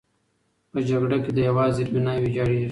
په جګړه کې د هېواد زیربناوې ویجاړېږي.